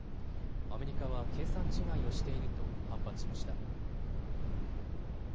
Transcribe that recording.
アメリカは計算違いをしていると反発しました。